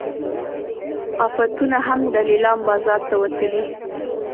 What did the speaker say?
عفتونه هم د لیلام بازار ته وتلي.